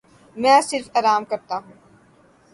میں صرف آرام کرتا ہوں۔